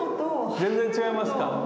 全然違いますか。